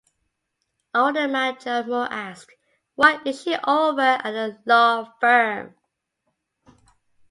Alderman Joe Moore asked, Why is she over at the law firm?